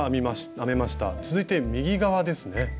続いて右側ですね。